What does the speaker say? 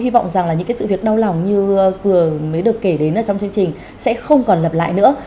hy vọng rằng là những cái sự việc đau lòng như vừa mới được kể đến trong chương trình sẽ không còn lặp lại nữa